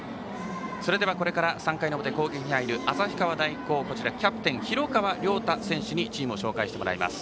それではこれから３回の表の攻撃に入る旭川大高、キャプテン廣川稜太選手にチームを紹介してもらいます。